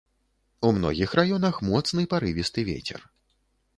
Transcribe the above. У многіх раёнах моцны парывісты вецер.